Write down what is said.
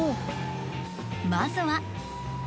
まずは。